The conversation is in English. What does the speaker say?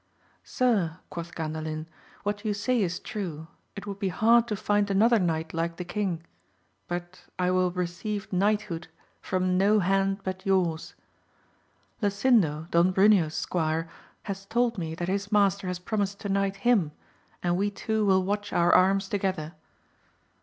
Sir, quoth Gandalin, what you say is true ; it would be hard to find another knight like the king ; but I will receive knighthood from no hand but yours. Lasindo, Don Bruneo's squire, has told me that his master has promised to knight him, and we two will watch our arms together.